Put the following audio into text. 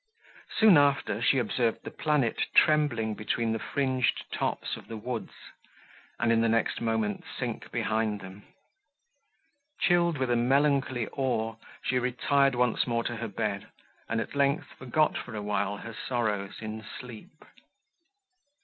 Soon after, she observed the planet trembling between the fringed tops of the woods, and, in the next moment, sink behind them. Chilled with a melancholy awe, she retired once more to her bed, and, at length, forgot for a while her sorrows in sleep.